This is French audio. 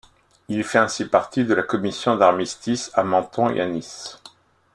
Il fait ainsi partie de la commission d'armistice à Menton et à Nice.